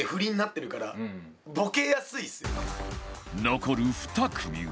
残る２組は